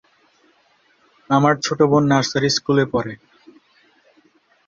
আমার ছোট বোন নার্সারি স্কুলে পড়ে।